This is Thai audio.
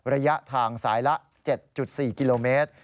ระยะทางสายละ๗๔กิโลเมตร